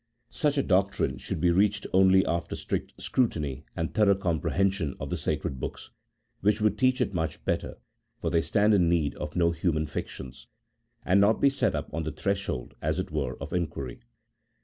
Such a doctrine should be reached only after strict scrutiny and thorough comprehension of the Sacred Books (which would teach it much better, for they stand in need of no human fictions), and not be set up on the threshold, as it were, of inquiry.